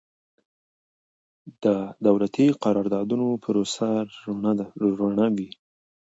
د دولتي قراردادونو پروسه رڼه وي.